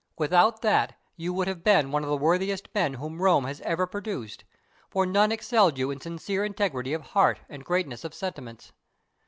Without that you would have been one of the worthiest men whom Rome has over produced, for none excelled you in sincere integrity of heart and greatness of sentiments.